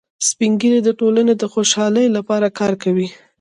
سپین ږیری د ټولنې د خوشحالۍ لپاره کار کوي